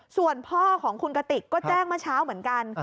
ส่วนพ่อของคุณกติกก็แจ้งเมื่อเช้าเหมือนกัน